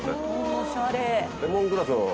おしゃれ。